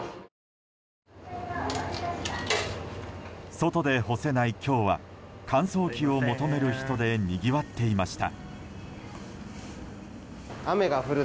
外で干せない今日は乾燥機を求める人でにぎわっていました。